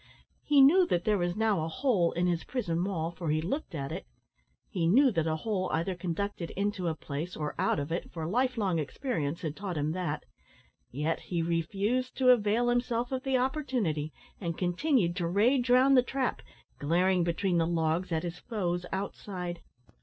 He knew that there was now a hole in his prison wall, for he looked at it; he knew that a hole either conducted into a place or out of it, for life long experience had taught him that; yet he refused to avail himself of the opportunity, and continued to rage round the trap, glaring between the logs at his foes outside.